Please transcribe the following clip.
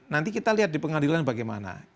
nanti kita lihat di pengadilan bagaimana